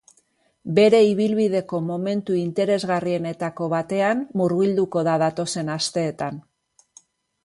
Bere ibilbideko momentu interesgarrienetako batean murgilduko da datozen asteetan.